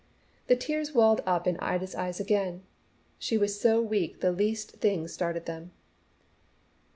The tears welled up in Ida's eyes again. She was so weak the least thing started them.